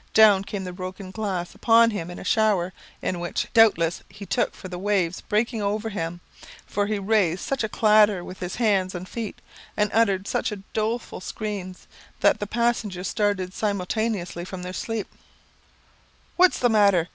Down came the broken glass upon him in a shower which, doubtless, he took for the waves breaking over him, for he raised such a clatter with his hands and feet, and uttered such doleful screams, that the passengers started simultaneously from their sleep, "What's the matter?